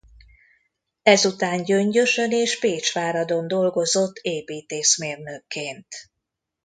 Ezután Gyöngyösön és Pécsváradon dolgozott építészmérnökként.